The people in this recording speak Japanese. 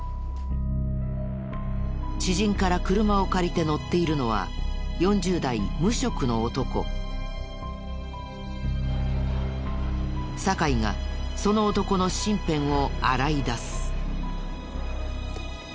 知人から車を借りて乗っているのは酒井がその男の身辺を洗い出す。